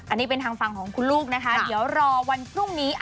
อันนี้เป็นทางฝั่งของคุณลูกนะคะเดี๋ยวรอวันพรุ่งนี้